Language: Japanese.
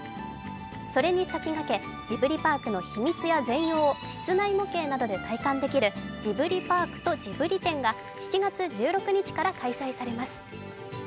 それに先駆け、ジブリパークの秘密や全容を室内模型などで体験できる「ジブリパークとジブリ展」が７月１６日から開催されます。